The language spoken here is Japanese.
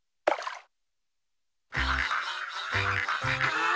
あ！